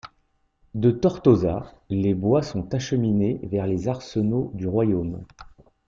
De Tortosa les bois sont acheminés vers les arsenaux du Royaume.